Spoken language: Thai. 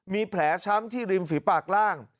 มีแผลช้ำที่ริมฝีปากล่าง